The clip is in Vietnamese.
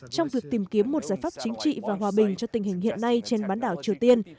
trong việc tìm kiếm một giải pháp chính trị và hòa bình cho tình hình hiện nay trên bán đảo triều tiên